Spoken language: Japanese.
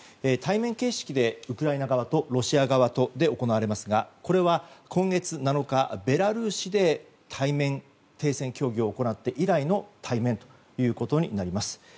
対面形式でウクライナ側とロシア側とで行われますが、これは今月７日ベラルーシで停戦協議を行って以来の対面ということになります。